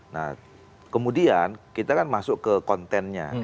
nah kemudian kita kan masuk ke kontennya